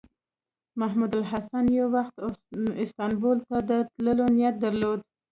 محمود الحسن یو وخت استانبول ته د تللو نیت درلود.